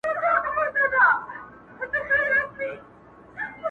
د غمي له زوره مست ګرځي نشه دی-